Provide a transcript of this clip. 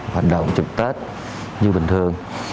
hoạt động trực tết như bình thường